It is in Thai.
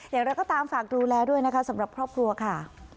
อย่างไรก็ตามฝากดูแลด้วยนะคะสำหรับครอบครัวค่ะ